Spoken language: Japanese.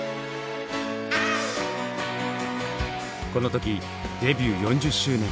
この時デビュー４０周年。